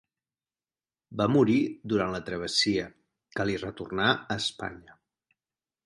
Va morir durant la travessia que li retornà a Espanya.